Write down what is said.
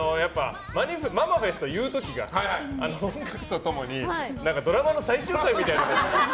ママフェスト言う時が音楽と共にドラマの最終回みたいに。